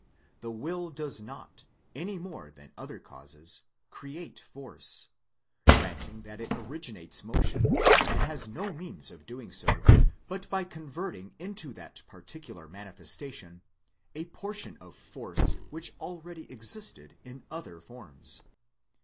The will does not, any more than other causes, create Force : granting that it originates motion, it has no means of doing so but by con verting into that particular manifestation a portion of Force which already existed in other forms.